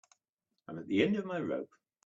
I'm at the end of my rope.